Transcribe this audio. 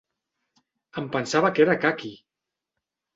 Em pensava que era caqui!